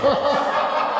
ハハハハ。